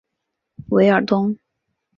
韦尔东。